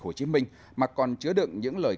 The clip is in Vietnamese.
hồ chí minh mà còn chứa đựng những lời